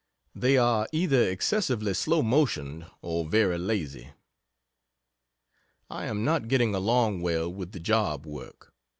They are either excessively slow motioned or very lazy. I am not getting along well with the job work.